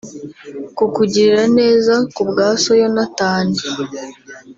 Kukugirira neza ku bwa So Yonatani